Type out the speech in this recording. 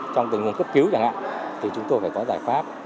trong tình huống cấp cứu chẳng hạn thì chúng tôi phải có giải pháp